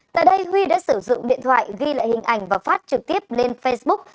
tại đây huy đã sử dụng điện thoại ghi lại hình ảnh và phát trực tiếp lên facebook